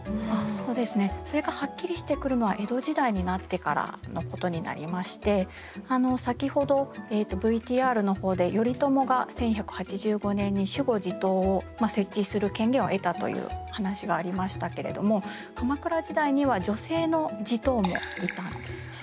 そうですねそれがはっきりしてくるのは江戸時代になってからのことになりまして先ほどＶＴＲの方で頼朝が１１８５年に守護地頭を設置する権限を得たという話がありましたけれども鎌倉時代には女性の地頭もいたんですね。